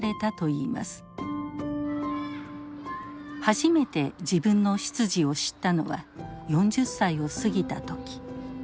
初めて自分の出自を知ったのは４０歳を過ぎた時。